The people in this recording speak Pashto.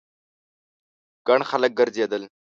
ګڼ خلک ګرځېدل.